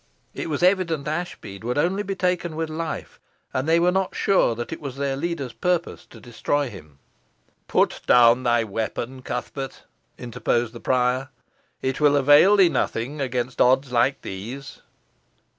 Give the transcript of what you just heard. It was evident Ashbead would only be taken with life, and they were not sure that it was their leader's purpose to destroy him. "Put down thy weapon, Cuthbert," interposed the prior; "it will avail thee nothing against odds like these."